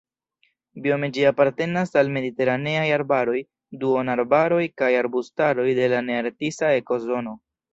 Biome ĝi apartenas al mediteraneaj arbaroj, duonarbaroj kaj arbustaroj de la nearktisa ekozono.